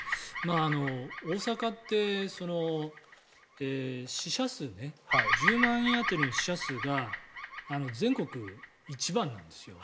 大阪って死者数ね１０万人当たりの死者数が全国１番なんですよ。